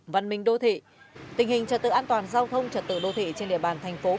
văn minh đô thị tình hình trật tự an toàn giao thông trật tự đô thị trên địa bàn thành phố